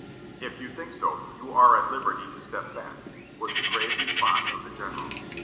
"If you think so, you are at liberty to step back," was the grave response of the general.